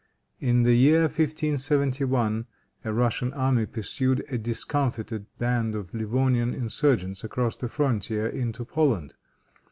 In the year 1571, a Russian army pursued a discomfited band of Livonian insurgents across the frontier into Poland.